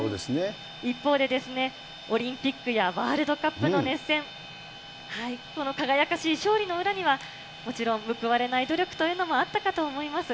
一方でオリンピックやワールドカップの熱戦、この輝かしい勝利の裏には、もちろん報われない努力というのもあったかと思います。